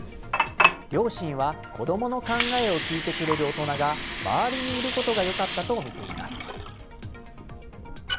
両親は子供の考えを聞いてくれる大人が周りにいることが良かったとみています。